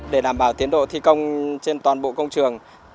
để đảm bảo tiến độ thi công trên toàn bộ công trường